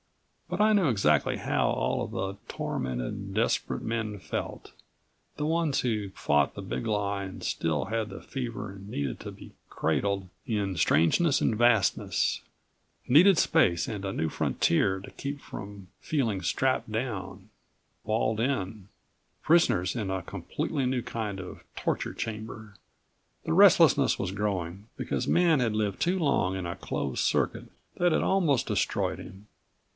But I knew exactly how all of the tormented, desperate men felt, the ones who fought the Big Lie and still had the fever and needed to be cradled in strangeness and vastness needed space and a new frontier to keep from feeling strapped down, walled in, prisoners in a completely new kind of torture chamber. The restlessness was growing because Man had lived too long in a closed circuit that had almost destroyed him.